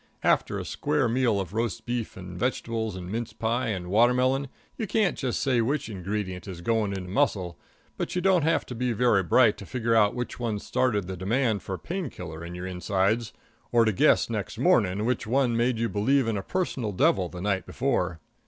After a square meal of roast beef and vegetables, and mince pie and watermelon, you can't say just which ingredient is going into muscle, but you don't have to be very bright to figure out which one started the demand for painkiller in your insides, or to guess, next morning, which one made you believe in a personal devil the night before.